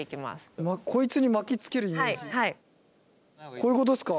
こういうことですか？